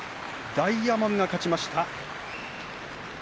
大奄美が勝ちました。